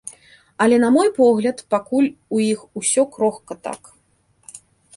Але на мой погляд, пакуль у іх усё крохка так.